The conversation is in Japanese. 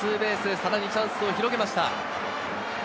さらにチャンスを広げました。